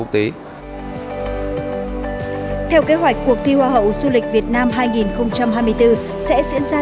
theo kế hoạch cuộc thi hoa hậu du lịch việt nam hai nghìn hai mươi bốn sẽ diễn ra